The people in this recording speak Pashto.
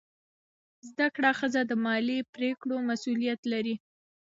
زده کړه ښځه د مالي پریکړو مسؤلیت لري.